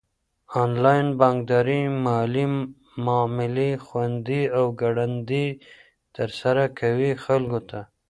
انلاين بانکداري مالي معاملي خوندي او ګړندي ترسره کوي خلکو ته.